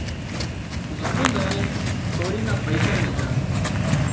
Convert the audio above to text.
زمينۮارئي سوري نا پئيشا ليڌا